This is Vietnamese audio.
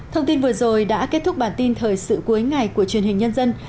thông tin vừa rồi đã kết thúc bản tin thời sự cuối ngày của truyền hình nhân dân